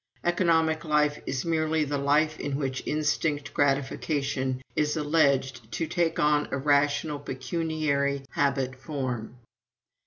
Economic life is merely the life in which instinct gratification is alleged to take on a rational pecuniary habit form.